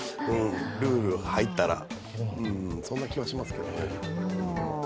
ルールが入ったら、そんな気はしますけどね。